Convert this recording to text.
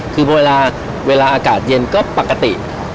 คือเวลาอากาศเย็นก็ปกติ